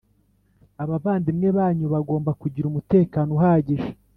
Abavandimwe banyu bangomba kugira umutekano uhagije